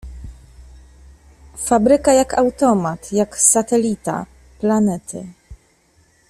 Fabryka jak automat, jak satelita planety.